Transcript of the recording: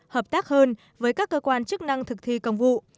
hợp tác hơn với các cơ quan chức năng thực thi công vụ